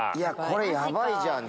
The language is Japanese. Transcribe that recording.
これヤバいじゃん！